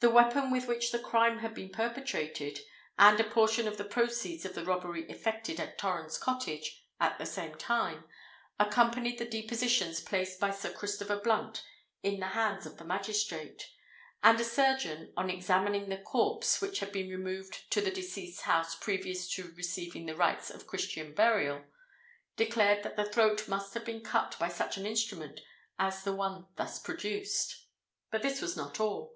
The weapon with which the crime had been perpetrated, and a portion of the proceeds of the robbery effected at Torrens Cottage at the same time, accompanied the depositions placed by Sir Christopher Blunt in the hands of the magistrate; and a surgeon, on examining the corpse which had been removed to the deceased's house previous to receiving the rites of Christian burial, declared that the throat must have been cut by such an instrument as the one thus produced. But this was not all.